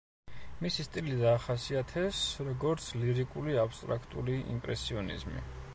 მისი სტილი დაახასიათეს, როგორც ლირიკული აბსტრაქტული იმპრესიონიზმი.